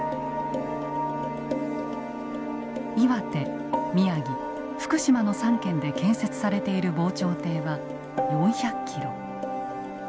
岩手宮城福島の３県で建設されている防潮堤は４００キロ。